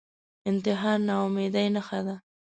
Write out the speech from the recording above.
انتحار ناامیدۍ نښه ده